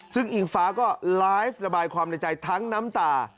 ซึ่งอิงฟ้าก็ไลฟ์ระบายความในใจทั้งน้ำตา